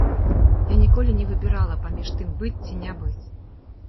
Я ніколі не выбірала паміж тым быць ці не быць.